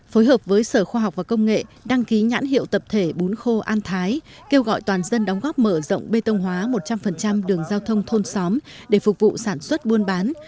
phối hợp với sở khoa học và công nghệ đăng ký nhãn hiệu tập thể bún khô an thái kêu gọi toàn dân đóng góp mở rộng bê tông hóa một trăm linh đường giao thông thôn xóm để phục vụ sản xuất buôn bán